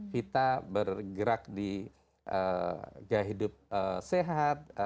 kita bergerak di gaya hidup sehat